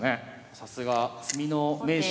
さすが詰みの名手。